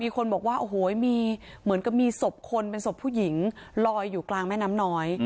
คนบอกว่าโอ้โหมีเหมือนกับมีศพคนเป็นศพผู้หญิงลอยอยู่กลางแม่น้ำน้อย